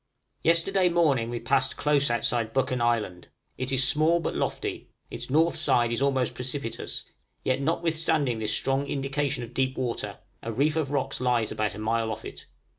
_ Yesterday morning we passed close outside Buchan Island; it is small but lofty, its north side is almost precipitous, yet notwithstanding this strong indication of deep water, a reef of rocks lies about a mile off it.